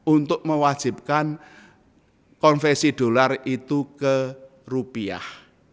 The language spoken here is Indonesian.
untuk mewajibkan konvesi dolar itu ke rupiah